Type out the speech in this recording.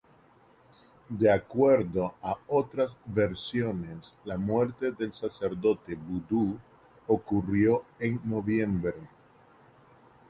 De acuerdo a otras versiones, la muerte del sacerdote vudú ocurrió en noviembre.